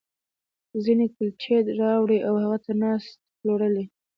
ځينې کُلچې راوړي او هغې ته ناست، پلورل یې.